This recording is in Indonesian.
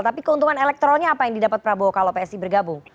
tapi keuntungan elektoralnya apa yang didapat prabowo kalau psi bergabung